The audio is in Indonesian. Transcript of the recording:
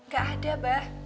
gak ada bah